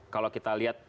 kalau kita lihat